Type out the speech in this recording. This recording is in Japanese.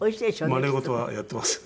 まね事はやっています。